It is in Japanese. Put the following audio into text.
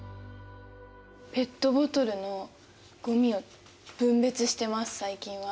ペットボトルのごみを分別してます最近は。